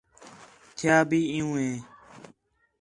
تھیا بھی عِیّوں ہِے